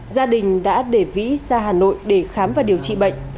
gia đình đã để vĩ ra hà nội để khám và điều trị bệnh